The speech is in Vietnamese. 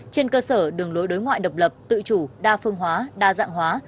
trên cơ sở đường lối đối ngoại độc lập tự chủ đa phương hóa đa dạng hóa